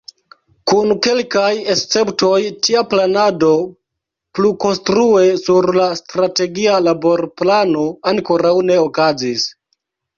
Kun kelkaj esceptoj, tia planado plukonstrue sur la Strategia Laborplano ankoraŭ ne okazis.